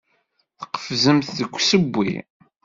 Tqefzemt deg usewwi.